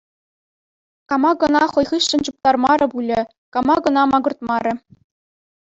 Кама кӑна хӑй хыҫҫӑн чуптармарӗ пулӗ, кама кӑна макӑртмарӗ.